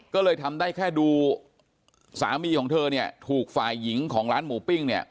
ก็เลยทำได้แค่ดูสามีของเธอถูกฝ่ายหญิงของร้านหมู่ปิ้ง